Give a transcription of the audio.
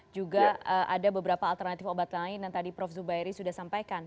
juga ada beberapa alternatif obat lain yang tadi prof zubairi sudah sampaikan